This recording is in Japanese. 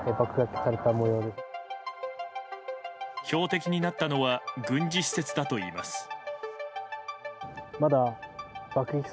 標的になったのは軍事施設だといいます。